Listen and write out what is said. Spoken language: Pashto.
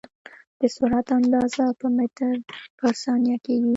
د سرعت اندازه په متر پر ثانیه کېږي.